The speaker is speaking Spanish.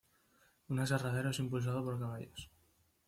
Un aserradero es impulsado por caballos.